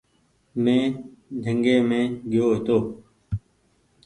مينٚ جنگي مينٚ گيو هيتو